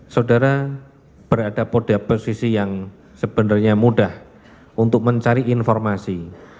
saudara berada pada posisi yang sebenarnya mudah untuk mencari informasi